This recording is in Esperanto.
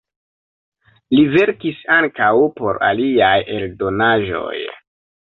Li verkis ankaŭ por aliaj eldonaĵoj.